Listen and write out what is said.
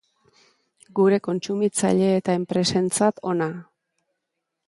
Gure kontsumitzaile eta enpresentzat ona.